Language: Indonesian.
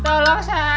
udah bisa ketawa